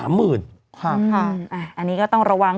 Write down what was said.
อันนี้ก็ต้องระวัง